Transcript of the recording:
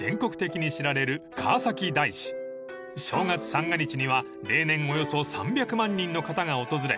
［正月三が日には例年およそ３００万人の方が訪れ